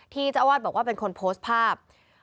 เจ้าอาวาสบอกว่าเป็นคนโพสต์ภาพ